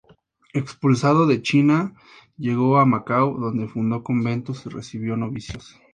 Expulsado de China, llegó a Macao, donde fundó conventos y recibió novicios.